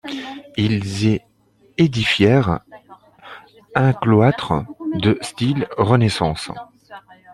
Ils y édifièrent un cloître de style renaissance.